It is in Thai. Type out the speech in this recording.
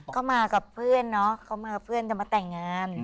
ก็มากับเพื่อนเนาะเขามากับเพื่อนจะมาแต่งงาน